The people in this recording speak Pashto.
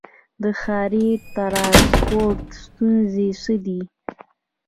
د ښاري ټرانسپورټ ستونزې څه دي؟